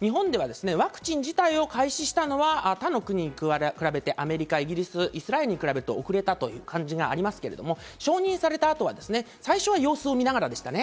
日本ではワクチン自体を開始したのは他の国に比べて、アメリカ、イギリス、イスラエルに比べて遅れたという感じがありますが、承認された後は最初は様子を見ながらでしたね。